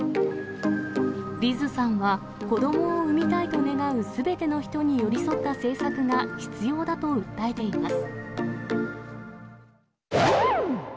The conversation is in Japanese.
リズさんは、子どもを産みたいと願うすべての人に寄り添った政策が必要だと訴えています。